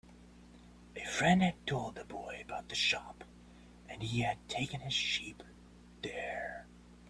A friend had told the boy about the shop, and he had taken his sheep there.